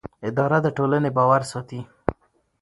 اداره د ټولنې باور ساتي.